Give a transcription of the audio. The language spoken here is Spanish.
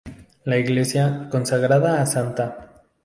La iglesia, consagrada a Sta.